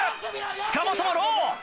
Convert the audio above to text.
塚本もロー！